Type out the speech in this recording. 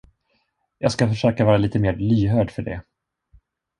Jag ska försöka vara lite mer lyhörd för det.